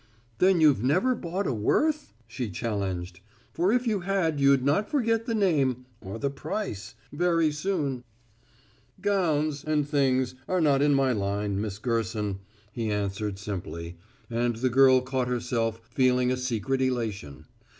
"Then you've never bought a Worth?" she challenged. "For if you had you'd not forget the name or the price very soon." "Gowns and things are not in my line, Miss Gerson," he answered simply, and the girl caught herself feeling a secret elation.